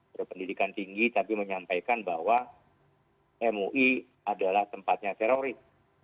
berpendidikan tinggi tapi menyampaikan bahwa mui adalah tempatnya teroris